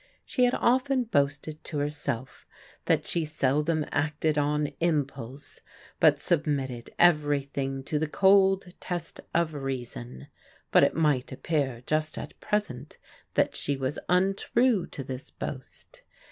She had often boasted to herself that she seldom acted on impulse, but submitted everything to the cold test of reason ; but it might appear just at present that she was untrue to this boast.